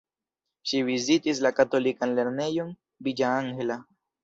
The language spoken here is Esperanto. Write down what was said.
Ŝi vizitis la katolikan lernejon Villa Angela.